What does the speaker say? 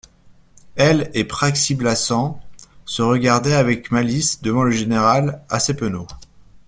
Elle et Praxi-Blassans se regardaient avec malice devant le général, assez penaud.